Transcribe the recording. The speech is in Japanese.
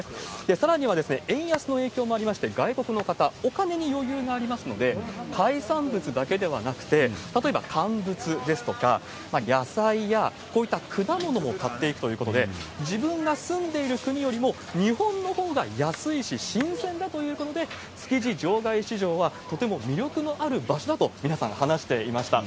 さらには円安の影響もありまして、外国の方、お金に余裕がありますので、海産物だけではなくて、例えば乾物ですとか、野菜や、こういった果物も買っていくということで、自分が住んでいる国よりも、日本のほうが安いし新鮮だということで、築地場外市場はとても魅力のある場所だと、皆さん話していました。